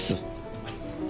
はい。